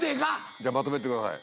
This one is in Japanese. じゃあまとめてください。